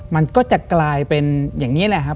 มันก็จะกลายเป็นอย่างนี้แหละครับ